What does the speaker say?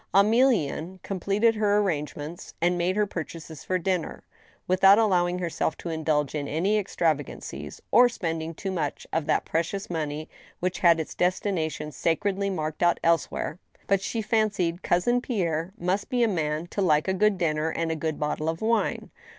Emilienne completed her arrangements, and made her purchases for dinner, without allowing herself to indulge in any extravagancies, or spending too much of that precious money which had its destina tion sacredly marked out elsewhere ; but she fancied Cousin Pierre must be a man to like a good dinner and a good bottle of wine.